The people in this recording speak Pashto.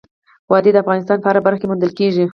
وادي د افغانستان په هره برخه کې موندل کېږي.